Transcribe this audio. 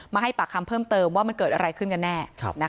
ให้ปากคำเพิ่มเติมว่ามันเกิดอะไรขึ้นกันแน่